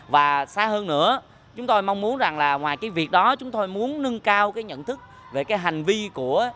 và xa hơn nữa chúng tôi mong muốn rằng là ngoài cái việc đó chúng tôi muốn nâng cao cái nhận thức về cái hành vi của